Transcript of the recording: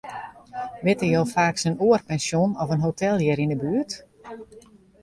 Witte jo faaks in oar pensjon of in hotel hjir yn 'e buert?